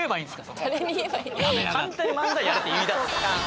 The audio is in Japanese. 簡単に漫才やれって言いだす。